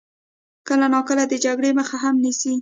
کله ناکله د جګړې مخه هم نیسي.